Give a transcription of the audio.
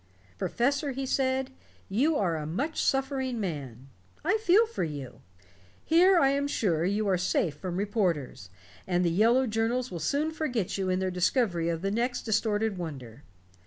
"Professor," he said, "you are a much suffering man. I feel for you. Here, I am sure, you are safe from reporters, and the yellow journals will soon forget you in their discovery of the next distorted wonder.